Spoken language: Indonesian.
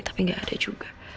tapi gak ada juga